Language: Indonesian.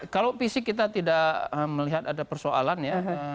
kalau fisik kita tidak melihat ada persoalan ya